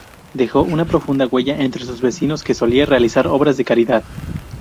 Dejó una profunda huella entre sus vecinos pues solía realizar obras de caridad.